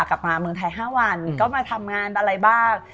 กลับมาเมืองไทย๕วันก็มาทำงานอะไรบ้าง